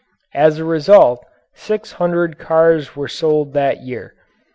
As a result six hundred cars were sold that year.